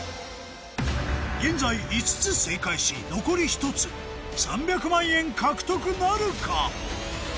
現在５つ正解し残り１つ３００万円獲得なるか？